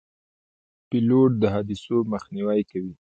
پیلوټ د حادثو مخنیوی کوي.